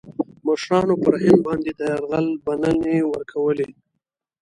مشـرانو پر هند باندي د یرغل بلني ورکولې.